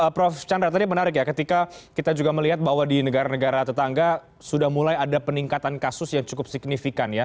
prof chandra tadi menarik ya ketika kita juga melihat bahwa di negara negara tetangga sudah mulai ada peningkatan kasus yang cukup signifikan ya